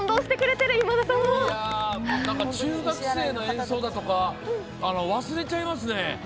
中学生の演奏だとか忘れちゃいますね。